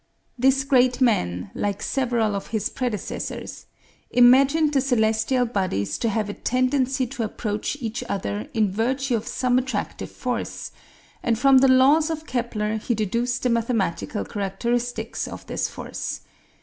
This great man, like several of his predecessors, imagined the celestial bodies to have a tendency to approach each other in virtue of some attractive force, and from the laws of Kepler he deduced the mathematical characteristics of this force.